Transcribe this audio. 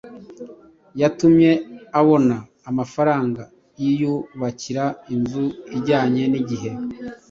Yatumye abona amafaranga yiyubakira inzu ijyanye n’igihe